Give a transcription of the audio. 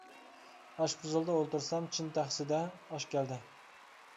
ئاشپۇزۇلدا ئولتۇرسام، چىن تەخسىدە ئاش كەلدى.